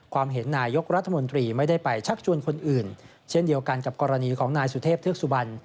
เห็นนายกรัฐมนตรีไม่ได้ไปชักชวนคนอื่นเช่นเดียวกันกับกรณีของนายสุเทพเทือกสุบัน